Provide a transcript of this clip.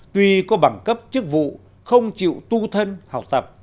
tuy có bằng cấp chức vụ không chịu tu thân học tập